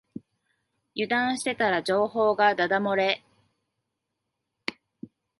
油断してたら情報がだだ漏れ